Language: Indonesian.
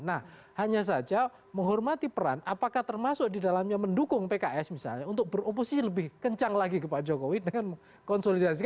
nah hanya saja menghormati peran apakah termasuk di dalamnya mendukung pks misalnya untuk beroposisi lebih kencang lagi ke pak jokowi dengan konsolidasi